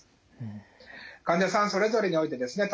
患者さんそれぞれにおいてですね